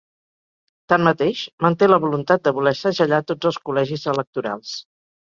Tanmateix, manté la voluntat de voler segellar tots els col·legis electorals.